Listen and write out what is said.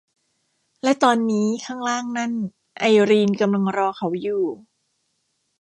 และตอนนี้ ข้างล่างนั่น ไอรีนกำลังรอเขาอยู่